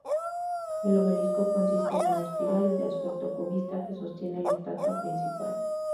El obelisco consiste en una espiral de aspecto cubista que sostiene la estatua principal.